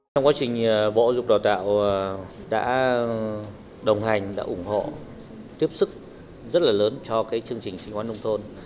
trong quá trình bộ giáo dục và đào tạo đã đồng hành đã ủng hộ tiếp sức rất là lớn cho cái chương trình sách khoa nông thôn